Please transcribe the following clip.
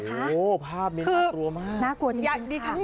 โหววววพบมงตาหลังโทรมากน่ากลัวจริงค่ะนี่ชั้น